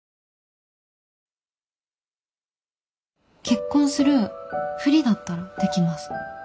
結婚するふりだったらできます。